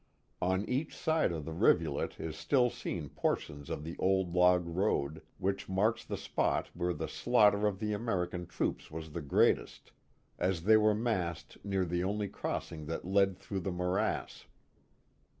On each side of the rivulet is still seen portions of the old log road, which marks the spot where the slaughter of the American troops was the greatest, as they were massed near the only crossing that led through the morass.